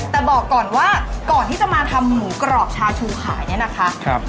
แต่บอกก่อนว่าก่อนที่จะมาทำหมูกรอบชาชูขายเนี่ยนะคะ